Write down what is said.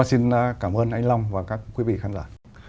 xin cảm ơn anh long và các quý vị khán giả